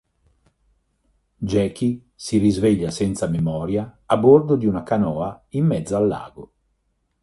Jackie si risveglia senza memoria a bordo di una canoa in mezzo al lago.